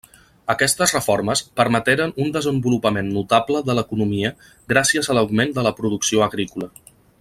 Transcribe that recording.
Aquestes reformes permeteren un desenvolupament notable de l'economia gràcies a l'augment de la producció agrícola.